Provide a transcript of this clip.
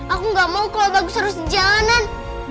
aku gak mau kalau bagus harus jalanan